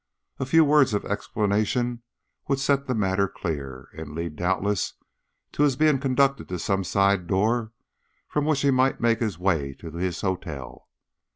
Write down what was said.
A few words of explanation would set the matter clear, and lead doubtless to his being conducted to some side door from which he might make his way to his hotel.